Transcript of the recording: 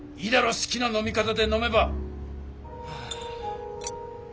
すきな飲み方で飲めば！